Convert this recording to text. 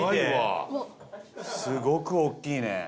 東山：すごく大きいね。